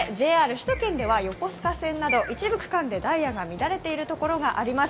首都圏では横須賀線など一部区間でダイヤが乱れているところがあります。